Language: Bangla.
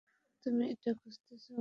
তুমি এটা খুঁজতেছো?